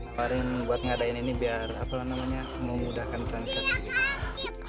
awarin buat ngadain ini biar memudahkan transfer